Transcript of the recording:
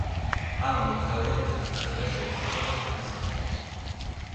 ამ მოგზაურობისას ასევე შეისწავლა წითელი ზღვა.